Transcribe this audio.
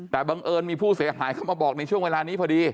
แต่บังเอิญมีผู้เสียหายเข้ามาบอกในช่วงเวลานี้พอดี